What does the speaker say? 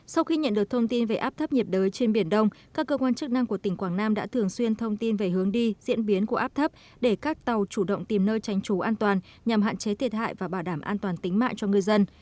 sau khi nhận được thông tin về áp thấp nhiệt đới trên biển đông các cơ quan chức năng của tỉnh quảng nam đã thường xuyên thông tin về hướng đi diễn biến của áp thấp để các tàu chủ động tìm nơi tránh trú an toàn nhằm hạn chế thiệt hại và bảo đảm an toàn tính mạng cho ngư dân